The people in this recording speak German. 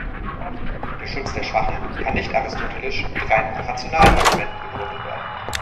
Der Schutz der Schwachen kann nicht aristotelisch mit rein rationalen Argumenten begründet werden.